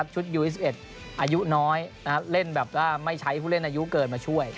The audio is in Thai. ชุดยูสิบเอ็ดอายุน้อยเพื่อเล่นแบบไม่ใช้ผู้เล่นอายุเกินมาช่วย